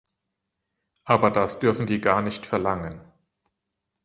Aber das dürfen die gar nicht verlangen.